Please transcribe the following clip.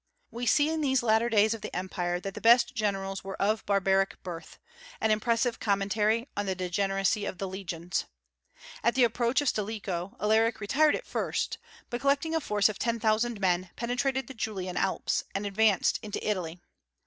We see in these latter days of the Empire that the best generals were of barbaric birth, an impressive commentary on the degeneracy of the legions. At the approach of Stilicho, Alaric retired at first, but collecting a force of ten thousand men penetrated the Julian Alps, and advanced into Italy.